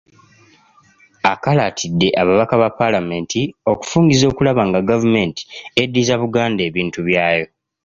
Akalaatidde ababaka ba Paalamenti okufungiza okulaba nga gavumenti eddiza Buganda ebintu byayo.